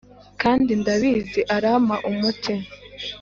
kandi ndabizi arampa umuti!